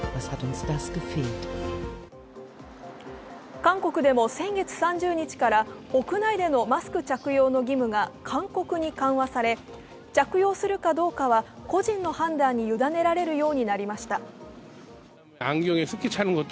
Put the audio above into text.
韓国でも先月３０日から屋内でのマスク着用の義務が勧告に緩和され着用するかどうかは個人の判断に委ねられるようになりました。